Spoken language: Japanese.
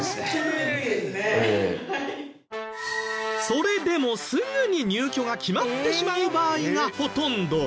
それでもすぐに入居が決まってしまう場合がほとんど。